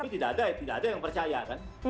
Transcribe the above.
tidak ada yang percaya kan